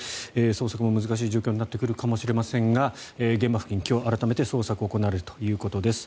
捜索も難しい状況になってくるかもしれませんが現場付近、改めて捜索が行われるということです。